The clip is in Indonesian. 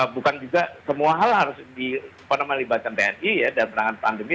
bukan juga semua hal harus melibatkan tni dalam penanganan pandemi